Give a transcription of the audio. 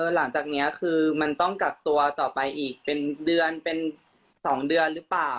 หลังจากนี้คือมันต้องกักตัวต่อไปอีกเป็นเดือนเป็น๒เดือนหรือเปล่า